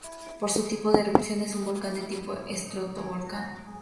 Por su tipo de erupción es un volcán del tipo estratovolcán.